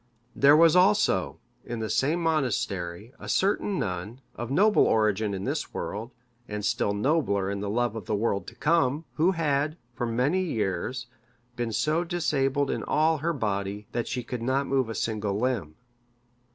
There was also, in the same monastery, a certain nun, of noble origin in this world, and still nobler in the love of the world to come; who had, for many years, been so disabled in all her body, that she could not move a single limb.